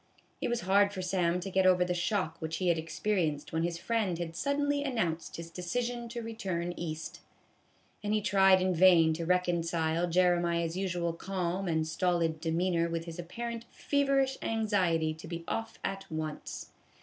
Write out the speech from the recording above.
It was hard for Sam to get over the shock which he had experienced when his friend had suddenly an nounced his decision to return East ; and he tried in vain to reconcile Jeremiah's usual calm and stolid demeanor with his apparent feverish anxiety to be off at once.